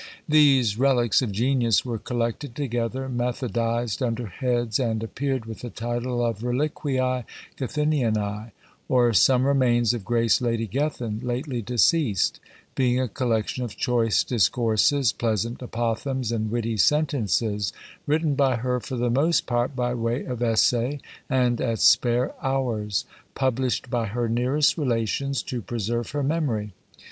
These reliques of genius were collected together, methodised under heads, and appeared with the title of "ReliquiÃḊ GethinianÃḊ; or some remains of Grace Lady Gethin, lately deceased: being a collection of choice discourses, pleasant apothegms, and witty sentences; written by her for the most part by way of essay, and at spare hours; published by her nearest relations, to preserve her memory.